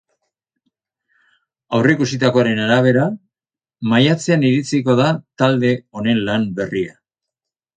Aurreikusitakoaren arabera, maiatzean iritsiko da talde honen lan berria.